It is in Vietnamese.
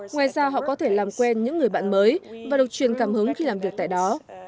ngoài ra họ có thể làm quen những người bạn mới và được truyền cảm hứng khi làm việc tại đó